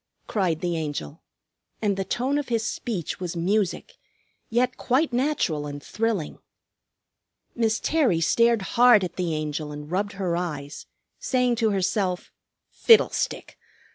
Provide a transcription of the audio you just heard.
cried the Angel, and the tone of his speech was music, yet quite natural and thrilling. Miss Terry stared hard at the Angel and rubbed her eyes, saying to herself, "Fiddlestick!